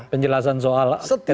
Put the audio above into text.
penjelasan soal ketentuan